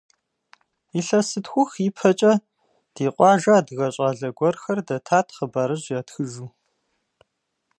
Илъэс зытхух и пэкӏэ, ди къуажэ адыгэ щӏалэ гуэрхэр дэтат хъыбарыжь ятхыжу.